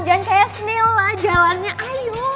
jangan kayak snill lah jalannya ayo